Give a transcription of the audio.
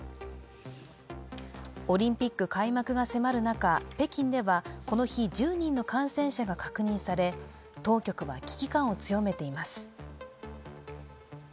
オリンピック開幕が迫る中、北京ではこの日、１０人の感染者が確認され、当局は危機感を強めています。